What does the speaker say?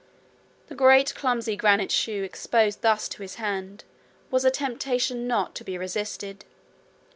The great clumsy granite shoe, exposed thus to his hand, was a temptation not to be resisted.